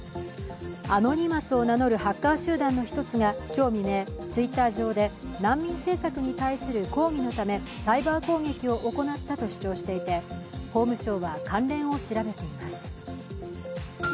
アノニマスを名乗るハッカー集団の一つが今日未明、Ｔｗｉｔｔｅｒ上で難民政策に対する抗議のためサイバー攻撃を行ったと主張していて、法務省は関連を調べています。